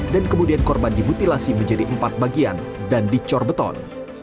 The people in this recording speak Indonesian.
dan kemudian korban dibutilasi menjadi empat bagian dan dicorbeton